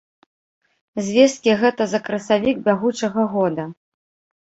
Звесткі гэта за красавік бягучага года.